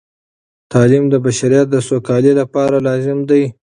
تعلیم د بشریت د سوکالۍ لپاره لازم دی.